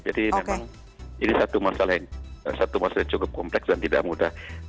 jadi memang ini satu masalah yang cukup kompleks dan tidak mudah